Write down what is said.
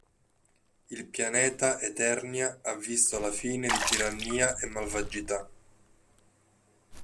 Il Pianeta Eternia ha visto la fine di tirannia e malvagità.